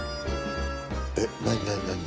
えっ何何何？